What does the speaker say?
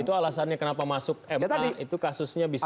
itu alasannya kenapa masuk mk itu kasusnya bisa